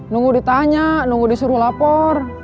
nunggu ditanya nunggu disuruh lapor